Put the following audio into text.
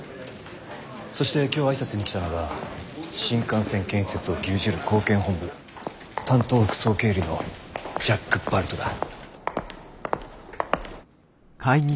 そして今日挨拶に来たのが新幹線建設を牛耳る興建本部担当副総経理のジャック・バルトだ。